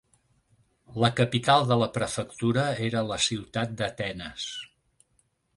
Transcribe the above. La capital de la prefectura era la ciutat d'Atenes.